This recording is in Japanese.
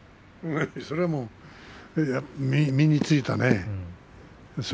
それは身についたね。